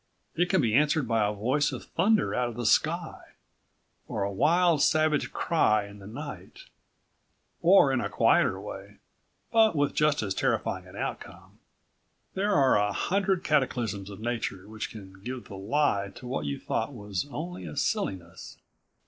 It can be answered by a voice of thunder out of the sky, or a wild, savage cry in the night, or in a quieter way, but with just as terrifying an outcome. There are a hundred cataclysms of nature which can give the lie to what you thought was only a silliness.